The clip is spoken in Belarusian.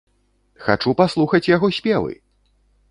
Хачу паслухаць яго спевы!